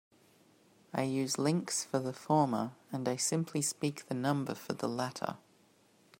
I use "links" for the former and I simply speak the number for the latter.